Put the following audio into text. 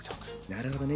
なるほどね。